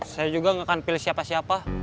saya juga gak akan pilih siapa siapa